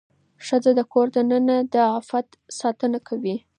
ښځه د کور دننه د عفت ساتنه کوي.